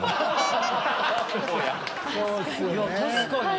確かに。